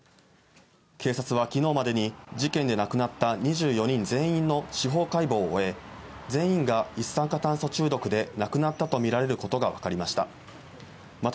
警察はきのうまでに、事件で亡くなった２４人全員の司法解剖を終え、全員が一酸化炭素中毒で亡くなったと見られることが分かりました。